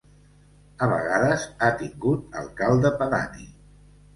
A vegades ha tingut Alcalde pedani.